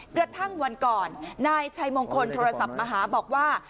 กระทั่งวันก่อนนายชัยมงคลโทรศัพท์มาหาบอกว่า